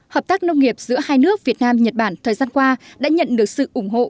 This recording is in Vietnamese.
hợp tác nông nghiệp giữa hai nước việt nam nhật bản thời gian qua đã nhận được sự ủng hộ